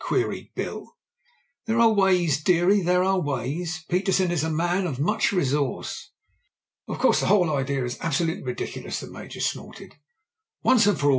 queried Bill. "There are ways, dearie, there are ways. Petersen is a man of much resource." "Of course, the whole idea is absolutely ridiculous." The Major snorted. "Once and for all.